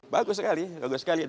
bagus sekali bagus sekali